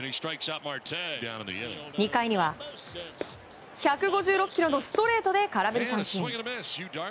２回には１５６キロのストレートで空振り三振。